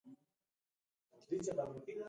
ترموز د پسرلي تازه ګل ته چای راوړي.